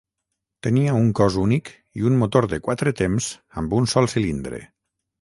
Tenia un cos únic i un motor de quatre temps amb un sol cilindre.